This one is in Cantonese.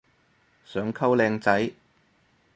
想溝靚仔